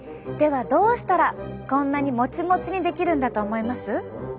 はどうしたらこんなにモチモチにできるんだと思います？